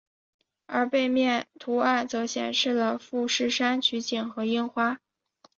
而背面图案则显示了富士山取景和樱花。